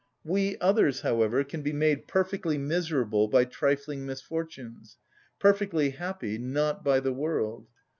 We others, however, can be made perfectly miserable by trifling misfortunes; perfectly happy, not by the world.